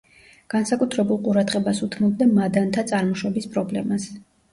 განსაკუთრებულ ყურადღებას უთმობდა მადანთა წარმოშობის პრობლემას.